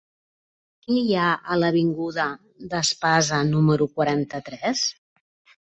Què hi ha a l'avinguda d'Espasa número quaranta-tres?